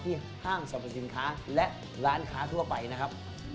ห้างสรรพสินค้าและร้านค้าทั่วไปนะครับ